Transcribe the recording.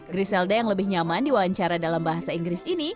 griselda yang lebih nyaman diwawancara dalam bahasa inggris ini